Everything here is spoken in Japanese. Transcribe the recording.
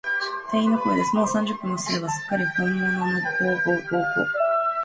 店員の声です。もう三十分もすれば、すっかりほんものの黄金塔をうずめることができようという、きわどいときに、このさわぎです。